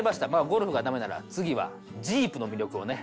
ゴルフがダメなら次はジープの魅力をね。